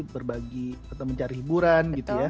berbagi atau mencari hiburan gitu ya